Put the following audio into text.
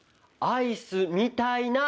アイスみたいな？